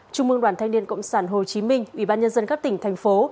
trung mương đoàn thanh niên cộng sản hồ chí minh ủy ban nhân dân các tỉnh thành phố